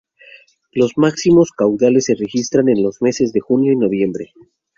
Los máximos caudales se registran en los meses de junio y noviembre.